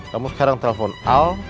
kamu sekarang telepon al